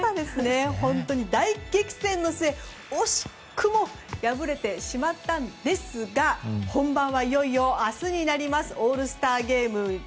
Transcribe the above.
大激戦の末惜しくも敗れてしまったんですが本番はいよいよ、明日になりますオールスターゲーム。